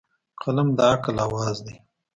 قلم د عقل اواز دی.